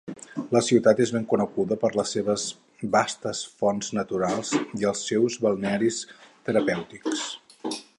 La ciutat és ben coneguda per les seves vastes fonts naturals i els seus balnearis terapèutics.